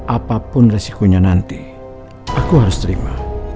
apapun resikonya nanti aku harus terima